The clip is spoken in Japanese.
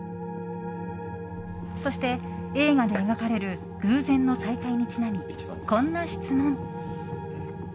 そして、映画で描かれる偶然の再会にちなみこんな質問。